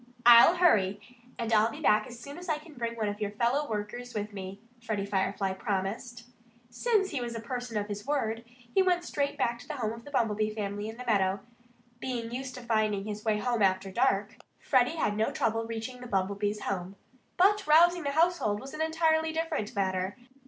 "I'll hurry. And I'll be back as soon as I can bring one of your fellow workers with me," Freddie Firefly promised. Since he was a person of his word, he went straight back to the home of the Bumblebee family in the meadow. Being used to finding his way about after dark, Freddie had no trouble reaching the Bumblebees' home. But rousing the household was an entirely different matter.